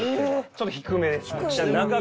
「ちょっと低めです」